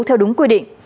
theo đúng quy định